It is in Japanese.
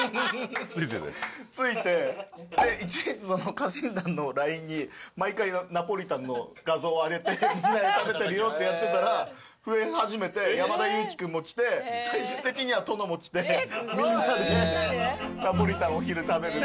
家臣団のＬＩＮＥに毎回ナポリタンの画像を上げてみんなに「食べてるよ」ってやってたら増え始めて山田裕貴君も来て最終的には殿も来てみんなでナポリタンをお昼食べるっていう。